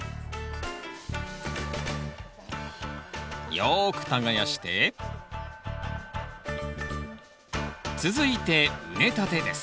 よく耕して続いて畝立てです